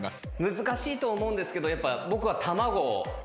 難しいと思うんですけどやっぱ僕は。